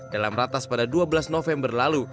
dalam ratas pada dua belas november lalu